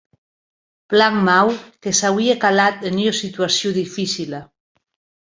Plan mau; que s’auie calat en ua situacion dificila.